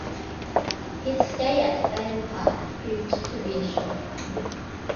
His stay at Vale Park proved to be a short one.